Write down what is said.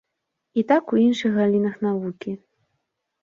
І так у іншых галінах навукі.